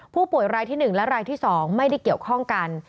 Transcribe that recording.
ผู้ป่วยรายที่๑และรายที่๒ไม่ได้เกี่ยวข้องกัน